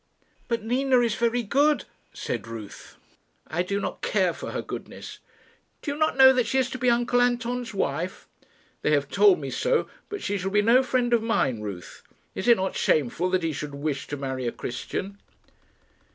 "But Nina is very good," said Ruth. "I do not care for her goodness." "Do you not know that she is to be uncle Anton's wife?" "They have told me so, but she shall be no friend of mine, Ruth. Is it not shameful that he should wish to marry a Christian?"